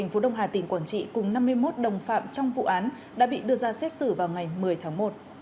tp đông hà tỉnh quảng trị cùng năm mươi một đồng phạm trong vụ án đã bị đưa ra xét xử vào ngày một mươi tháng một